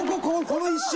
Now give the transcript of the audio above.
この一瞬！